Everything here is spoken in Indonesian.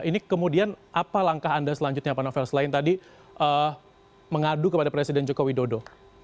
ini kemudian apa langkah anda selanjutnya pak novel selain tadi mengadu kepada presiden joko widodo